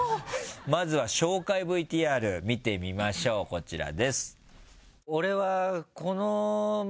まずは紹介ＶＴＲ見てみましょうこちらです。